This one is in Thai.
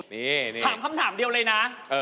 นี่ถามคำถามเดียวเลยนะ